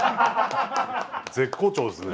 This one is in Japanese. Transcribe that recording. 絶好調ですね。